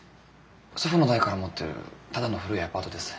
祖父の代から持ってるただの古いアパートです。